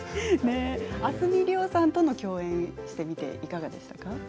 明日海りおさんと共演してみていかがでしたか？